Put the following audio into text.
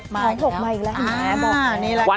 ๒๖มาอีกแล้ว